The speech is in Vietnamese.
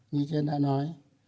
như trên đã nói